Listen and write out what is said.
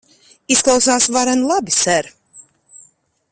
Izklausās varen labi, ser.